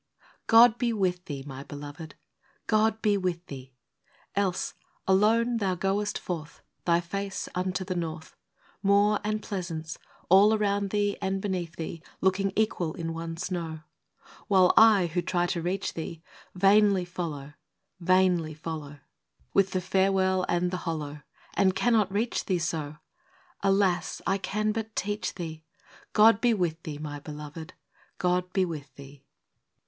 OD be with thee, my beloved, — God be with thee ! Else, alone thou goest forth, Thy face unto the north, — Moor and pleasance, all around thee and beneath thee, Looking equal in one snow ! While I, who try to reach thee, Vainly follow, vainly follow, 54 FROM QUEENS' GARDENS, With the farewell and the hollo, And cannot reach thee so, Alas ! I can but teach thee, God be with thee, my beloved, — God be with thee